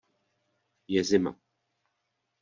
Je zima.